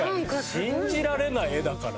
信じられない画だから。